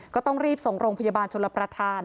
ก็ต้องรีบส่งโรงพยาบาลชลประธาน